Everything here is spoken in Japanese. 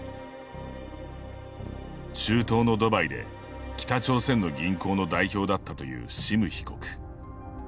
中東のドバイで、北朝鮮の銀行の代表だったというシム被告。